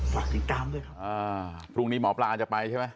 ฝากติดตามด้วยครับอ่าพรุ่งนี้หมอปลาจะไปใช่ไหม